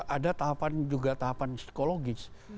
ada tahapan juga tahapan psikologis